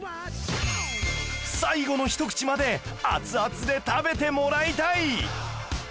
最後のひと口までアツアツで食べてもらいたい